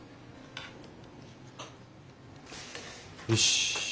よし。